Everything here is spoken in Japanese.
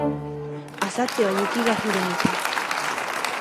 明後日は雪が降るみたい